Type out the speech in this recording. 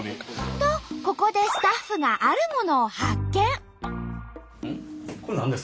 とここでスタッフがあるものを発見！